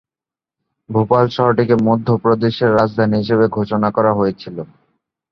ভোপাল শহরটিকে মধ্য প্রদেশের রাজধানী হিসাবে ঘোষণা করা হয়েছিল।